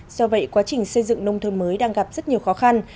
do vậy quá trình xây dựng nông thôn mới đang gặp rất nhiều khó khăn